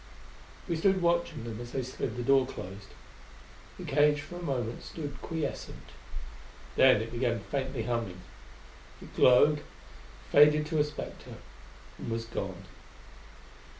We stood watching them as they slid the door closed. The cage for a moment stood quiescent. Then it began faintly humming. It glowed; faded to a spectre; and was gone.